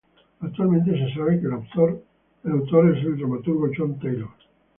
Actualmente se sabe que el autor es el dramaturgo John Taylor.